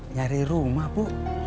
nyari rumah bu